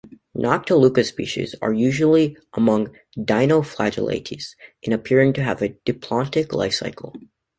"Noctiluca" species are unusual among dinoflagellates in appearing to have a diplontic life cycle.